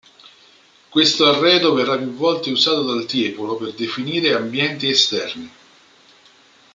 Questo arredo verrà più volte usato dal Tiepolo per definire ambienti esterni.